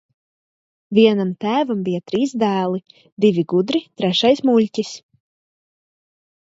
Vienam tēvam bija trīs dēli - divi gudri, trešais muļķis.